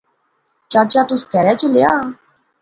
چچا تس کہھرے چلیا؟